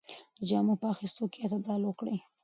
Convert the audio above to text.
د جامو په اخیستلو کې اعتدال وکړئ.